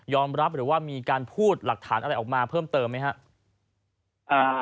รับหรือว่ามีการพูดหลักฐานอะไรออกมาเพิ่มเติมไหมครับ